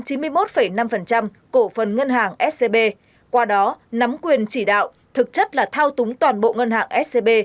cổ phần ngân hàng scb qua đó nắm quyền chỉ đạo thực chất là thao túng toàn bộ ngân hàng scb